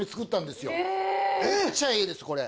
めっちゃいいですこれ。